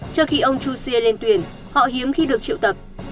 trước khi ông joe lên tuyển họ hiếm khi được triệu tập